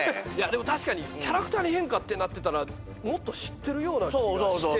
確かにキャラクターに変化ってなってたらもっと知ってるような気がして。